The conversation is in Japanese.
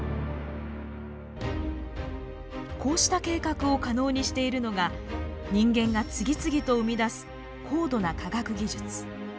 こうした計画を可能にしているのが人間が次々と生み出す高度な科学技術。